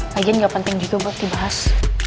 kajian gak penting juga buat dibahas